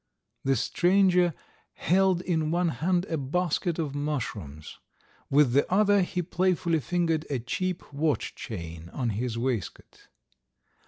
The stranger held in one hand a basket of mushrooms, with the other he playfully fingered a cheap watch chain on his waistcoat.